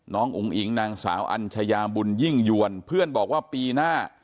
อุ๋งอิ๋งนางสาวอัญชยาบุญยิ่งยวนเพื่อนบอกว่าปีหน้า